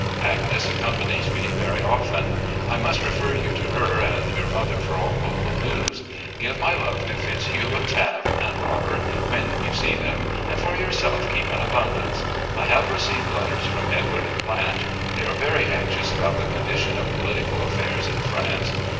Agnes accompanies me very often. I must refer you to her and your mother for all local news. Give my love to Fitzhugh, and Tabb, and Robert when you see them, and for yourself keep an abundance. I have received letters from Edward and Blanche. They are very anxious about the condition of political affairs in France.